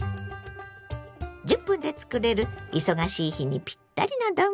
１０分で作れる忙しい日にピッタリの丼。